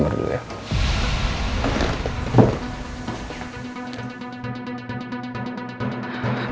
masya allah kenapa ya